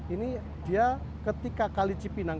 ini dia ketika kali cipinang